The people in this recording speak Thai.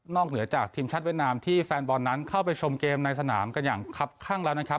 เหนือจากทีมชาติเวียดนามที่แฟนบอลนั้นเข้าไปชมเกมในสนามกันอย่างคับข้างแล้วนะครับ